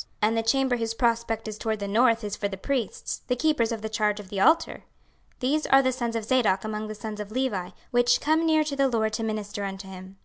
26:040:046 And the chamber whose prospect is toward the north is for the priests, the keepers of the charge of the altar: these are the sons of Zadok among the sons of Levi, which come near to the LORD to minister unto him.